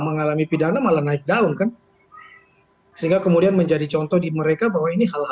mengalami pidana malah naik daun kan sehingga kemudian menjadi contoh di mereka bahwa ini hal hal